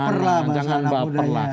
jangan baperlah bahasa anak muda ya